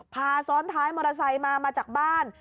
พาซ้อนท้ายมอเทศมามาจากบ้าน